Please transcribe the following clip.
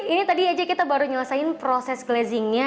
ini tadi aja kita baru menyelesaikan proses glazingnya